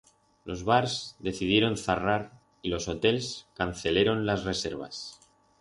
Los bars decidieron zarrar y los hotels canceleron las reservas.